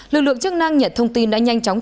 lực lượng chức năng nhận thông tin đã nhanh chóng